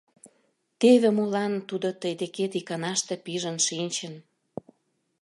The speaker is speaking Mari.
— Теве молан тудо тый декет иканаште пижын шинчын!